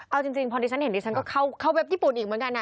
เอาจริงพอดีฉันเห็นดิฉันก็เข้าเว็บญี่ปุ่นอีกเหมือนกันนะ